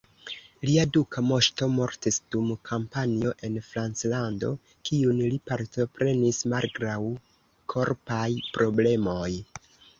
Lia duka moŝto mortis dum kampanjo en Franclando kiun li partoprenis malgraŭ korpaj problemoj.